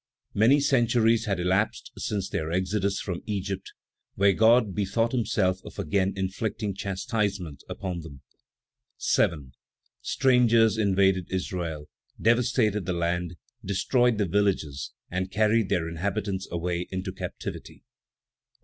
Many centuries had elapsed since their exodus from Egypt, when God bethought himself of again inflicting chastisement upon them. 7. Strangers invaded Israel, devastated the land, destroyed the villages, and carried their inhabitants away into captivity. 8.